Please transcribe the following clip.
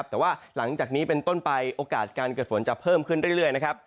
แต่ว่าหลังจากนี้เป็นต้นไปโอกาสการเกิดฝนจะเพิ่มขึ้นเรื่อยนะครับ